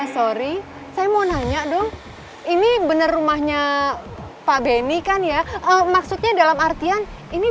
sorry saya mau nanya dong ini bener rumahnya pak benny kan ya maksudnya dalam artian ini